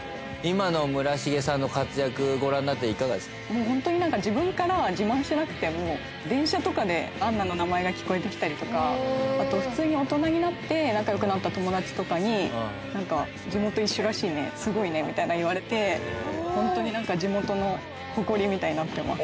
もうホントに自分から自慢しなくても電車とかで杏奈の名前が聞こえてきたりとかあと普通に大人になって仲良くなった友達とかに「地元一緒らしいねすごいね」みたいに言われてホントに地元の誇りみたいになってます。